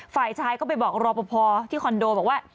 ฝ่ายชายก็ไปบอกรอปภที่คอนโดบอกว่า